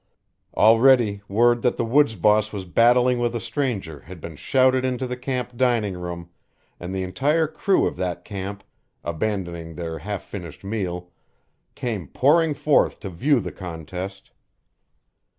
Already word that the woods boss was battling with a stranger had been shouted into the camp dining room, and the entire crew of that camp, abandoning their half finished meal, came pouring forth to view the contest.